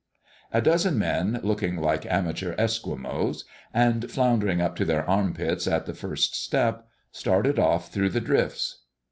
A dozen men, looking like amateur Esquimaux, and floundering up to their armpits at the first step, started off through the drifts.